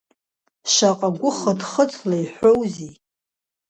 Шаҟа гәыхыҭхыҭла иҳәоузеи…